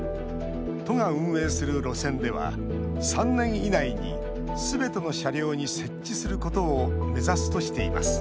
都が運営する路線では３年以内にすべての車両に設置することを目指すとしています。